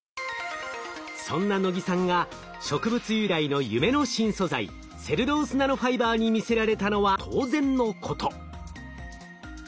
そんな能木さんが植物由来の夢の新素材セルロースナノファイバーに魅せられたのは当然のこと。